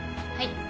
はい。